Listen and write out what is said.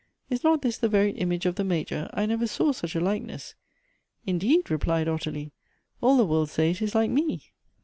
Is not this the very image of the Major ? I never saw such a likeness." " Indeed !" replied Ottilie ;" all the world say it is like me."